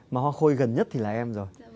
mà hoa khôi gần nhất thì là em rồi